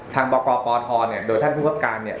ทางปรากรปอทรเนี้ยโดยท่านผู้พักการเนี้ย